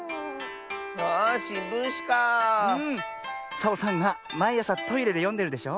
サボさんがまいあさトイレでよんでるでしょ？